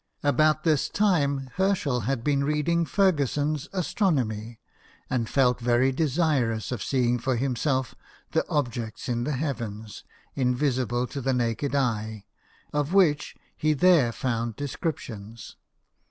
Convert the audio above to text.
About this time Herschel had been reading Ferguson's " Astronomy," and felt very desirous of seeing for himself the objects in the heavens, invisible to the naked eye, of which he there found descriptions.